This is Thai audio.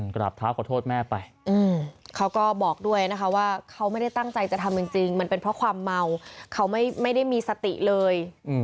กราบเท้าขอโทษแม่ไปเขาก็บอกด้วยนะคะว่าเขาไม่ได้ตั้งใจจะทำจริงมันเป็นเพราะความเมาเขาไม่ได้มีสติเลย